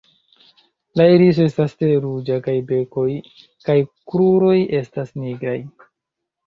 La iriso estas tre ruĝa kaj bekoj kaj kruroj estas nigraj.